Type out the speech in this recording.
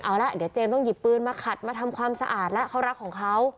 เอาละเดี๋ยวเจมส์ต้องหยิบปืนมาขัดมาทำความสะอาดแล้วเขารักของเขา